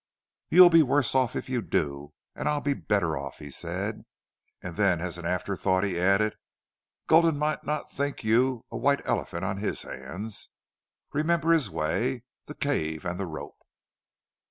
"You'll be worse off it you do and I'll be better off," he said. And then as an afterthought he added: "Gulden might not think you a white elephant on his hands!... Remember his way, the cave and the rope!"